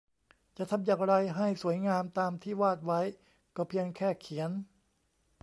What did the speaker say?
จะทำอย่างไรให้สวยงามตามที่วาดไว้ก็เพียงแค่เขียน